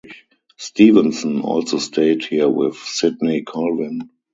Stevenson also stayed here with Sidney Colvin.